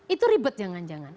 itu ribet jangan jangan